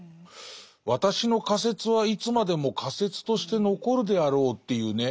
「私の仮説はいつまでも仮説として残るであらう」っていうね。